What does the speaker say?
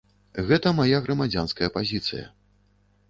Гэта мая грамадзянская пазіцыя.